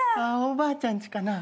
おばあちゃんちかな？